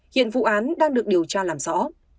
hiện vụ án đang được điều tra làm rõ